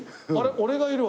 俺がいるわ。